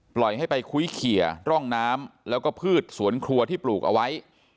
ปล่อยให้ไปคุ้ยเขียร่องน้ำแล้วก็พืชสวนครัวที่ปลูกเอาไว้